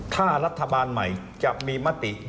ถ้ารัฐบาลใหม่จะมีมติยกเลิก